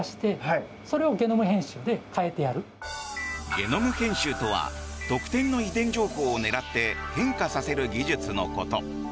ゲノム編集とは特定の遺伝情報を狙って変化させる技術のこと。